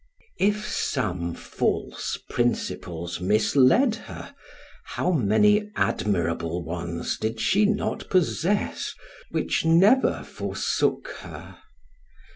If some false principles misled her, how many admirable ones did she not possess, which never forsook her!